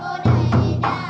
vì ra ngày ging đứa